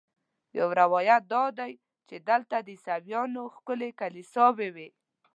یو روایت دا دی چې دلته د عیسویانو ښکلې کلیساوې وې.